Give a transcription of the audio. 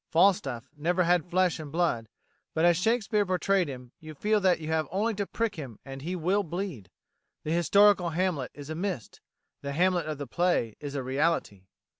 Falstaff never had flesh and blood, but as Shakespeare portrayed him, you feel that you have only to prick him and he will bleed. The historical Hamlet is a mist; the Hamlet of the play is a reality.